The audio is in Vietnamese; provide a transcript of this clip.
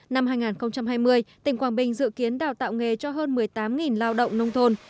năm hai nghìn hai mươi tỉnh quảng bình dự kiến đào tạo nghề cho hơn một mươi tám lao động nông thôn